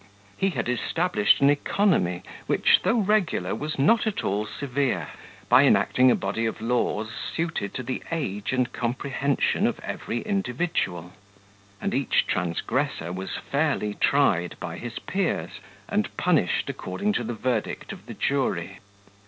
He had established an economy, which, though regular, was not at all severe, by enacting a body of laws suited to the age and comprehension of every individual; and each transgressor was fairly tried by his peers, and punished according to the verdict of the jury.